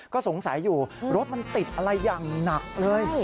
ก็สงสัยอยู่รถมันติดอะไรอย่างหนักเลย